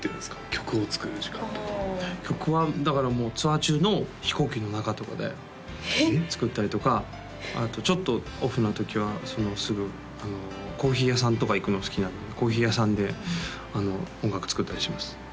曲を作る時間というのは曲はだからもうツアー中の飛行機の中とかで作ったりとかあとちょっとオフの時はすぐコーヒー屋さんとか行くの好きなんでコーヒー屋さんで音楽作ったりします